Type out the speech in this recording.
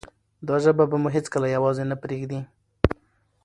دا ژبه به مو هیڅکله یوازې نه پریږدي.